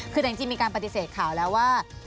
คือแต่จริงมีการปฏิเสธข่าวแล้วว่า